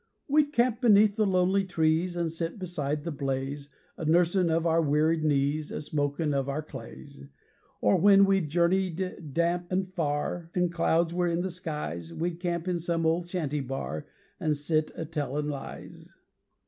We'd camp beneath the lonely trees And sit beside the blaze, A nursin' of our wearied knees, A smokin' of our clays. Or when we'd journeyed damp an' far, An' clouds were in the skies, We'd camp in some old shanty bar, And sit a tellin' lies.